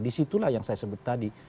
disitulah yang saya sebut tadi